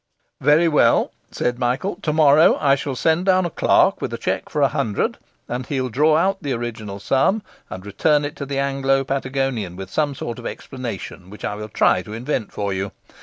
'Very well,' said Michael. 'Tomorrow I shall send down a clerk with a cheque for a hundred, and he'll draw out the original sum and return it to the Anglo Patagonian, with some sort of explanation which I will try to invent for you.